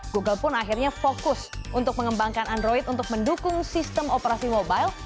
google pun akhirnya fokus untuk mengembangkan android untuk mendukung sistem operasi mobile